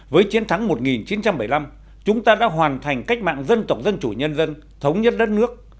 với chiến thắng một nghìn chín trăm bảy mươi năm chúng ta đã hoàn thành cách mạng dân tộc dân chủ nhân dân thống nhất đất nước